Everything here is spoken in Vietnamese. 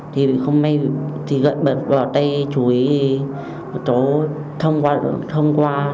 thì không may thì gậy bật vào tay chú ý cháu thông qua